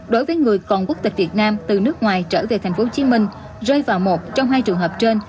đối với người còn quốc tịch việt nam từ nước ngoài trở về tp hcm rơi vào một trong hai trường hợp trên